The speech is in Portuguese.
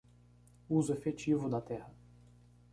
Uso efetivo da terra